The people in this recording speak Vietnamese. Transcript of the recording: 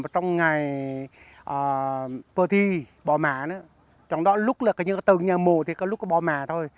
tôi muốn xem bộ mặt